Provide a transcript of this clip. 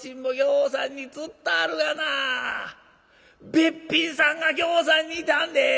べっぴんさんがぎょうさんにいてはんで。